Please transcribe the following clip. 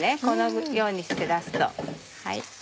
このようにして出すと。